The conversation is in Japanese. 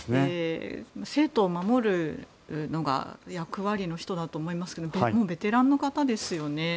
生徒を守るのが役割の人だと思いますけどもうベテランの方ですよね。